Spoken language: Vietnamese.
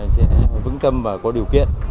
sẽ vững tâm và có điều kiện